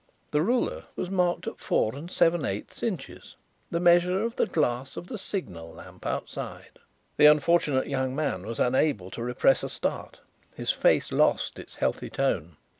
"The ruler was marked at four and seven eighths inches the measure of the glass of the signal lamp outside." The unfortunate young man was unable to repress a start. His face lost its healthy tone.